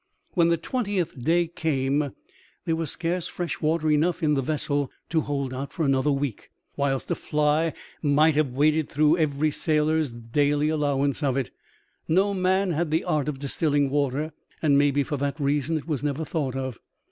When the twentieth day came there was scarce fresh water enough in the vessel to hold out for another week, whilst a fly might have waded through every sailor's daily allowance of it. No man had the art of distilling water, and maybe for that reason it was never thought of.